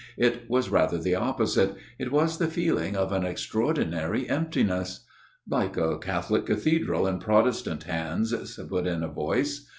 It was rather the opposite ; it was the feeling of an extraordinary emptiness." " Like a Catholic cathedral in Protestant hands/' put in a voice.